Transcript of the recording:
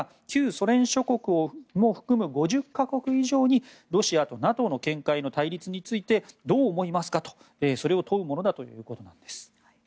旧ソ連諸国も含む５０か国以上にロシアとＮＡＴＯの見解の対立についてどう思いますかと、それを問うものだということです。